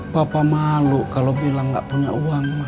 papa malu kalau bilang gak punya uang mah